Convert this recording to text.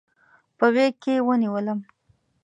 په غیږکې ونیولم